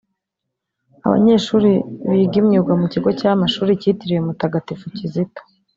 Abanyeshuri biga imyuga mu kigo cy’Amashuli kitiriwe Mutagatifu Kizito